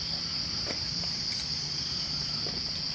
นี่แหละคือหัว